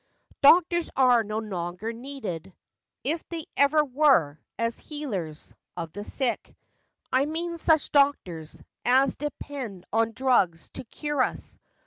" Doctors are no longer needed— If they ever were—as healers Of the sick. I mean such doctors As depend on drugs to cure us.